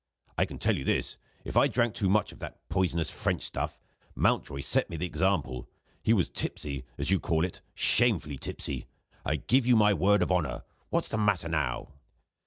I can tell you this. If I drank too much of that poisonous French stuff, Mountjoy set me the example. He was tipsy as you call it shamefully tipsy, I give you my word of honour. What's the matter now?"